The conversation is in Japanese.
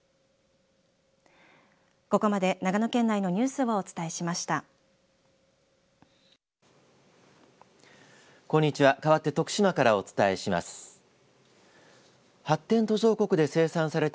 ここまで長野県内のニュースをお伝えしました。